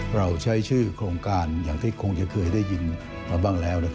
เราใช้ชื่อโครงการอย่างที่คงจะเคยได้ยินมาบ้างแล้ว